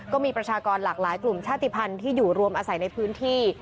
ประชากรหลากหลายกลุ่มชาติภัณฑ์ที่อยู่รวมอาศัยในพื้นที่